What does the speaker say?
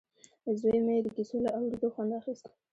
زوی مې د کیسو له اورېدو خوند اخیست